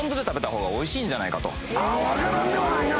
分からんではないな。